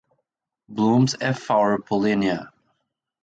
Blooms have four pollinia.